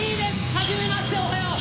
はじめましておはよう！